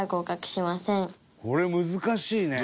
これ難しいね。